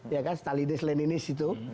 ya kan talidis leninis itu